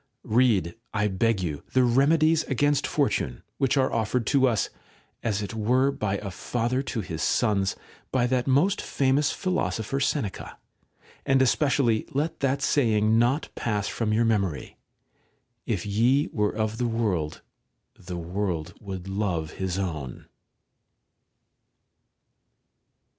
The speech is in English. Kead, I beg you, the Bemedies against Fortune, which are offered to us, as it were by a father to his sons, by that most farnous philosopher Seneca ; and especially let that saying not pass from your memory: 'If ye were of the world, the world would love his own.'